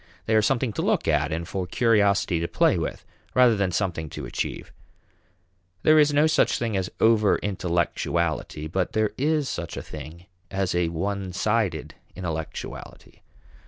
They are something to look at and for curiosity to play with rather than something to achieve. There is no such thing as over intellectuality, but there is such a thing as a one sided intellectuality.